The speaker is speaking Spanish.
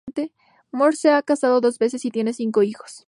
Morse se ha casado dos veces y tiene cinco hijos.